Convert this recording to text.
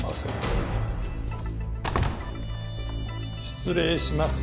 失礼します。